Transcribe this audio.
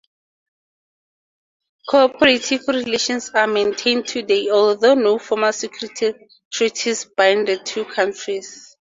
Cooperative relations are maintained today, although no formal security treaties bind the two countries.